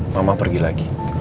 mama pergi lagi